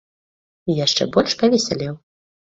І яшчэ больш павесялеў.